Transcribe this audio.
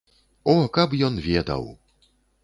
О, каб ён ведаў!